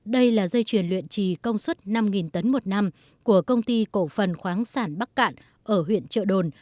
đây là dây chuyền luyện trì công suất năm tấn một năm của công ty cổ phần khoáng sản bắc cạn ở huyện trợ đồn